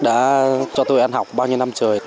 đã cho tôi ăn học bao nhiêu năm trời